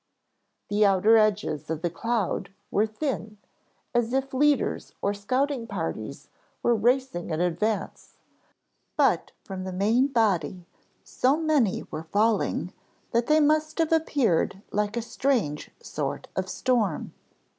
The outer edges of the "cloud" were thin, as if leaders or scouting parties were racing in advance, but from the main body so many were falling that they must have appeared like a strange sort of storm.